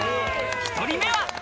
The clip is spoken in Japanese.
１人目は。